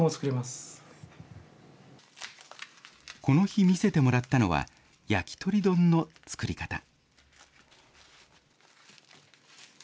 この日、見せてもらったのは、焼き鳥丼の作り方。